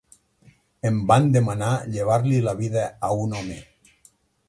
Em van demanar llevar-li la vida a un home.